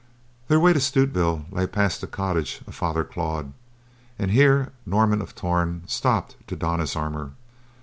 Their way to Stutevill lay past the cottage of Father Claude, and here Norman of Torn stopped to don his armor.